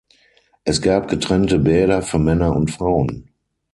Es gab getrennte Bäder für Männer und Frauen.